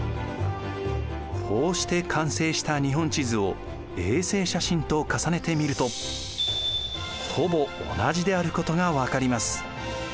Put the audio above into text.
こうして完成した日本地図を衛星写真と重ねてみるとほぼ同じであることが分かります。